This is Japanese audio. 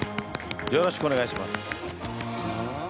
よろしくお願いします。